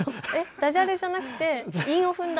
だじゃれじゃなくて韻を踏んだ？